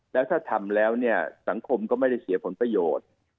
แล้วถ้าทำแล้วเนี่ยสังคมก็ไม่ได้เสียผลประโยชน์